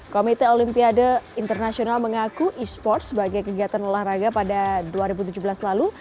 komite olimpiade internasional mengaku e sports sebagai kegiatan olahraga pada dua ribu tujuh belas lalu